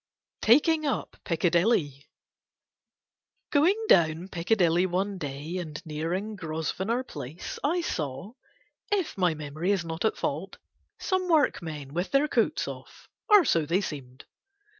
TAKING UP PICADILLY Going down Picadilly one day and nearing Grosvenor Place I saw, if my memory is not at fault, some workmen with their coats off or so they seemed.